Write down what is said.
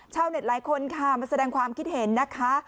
ชาวเน็ตหลายคนค่ะมาแสดงความคิดเห็นนะคะ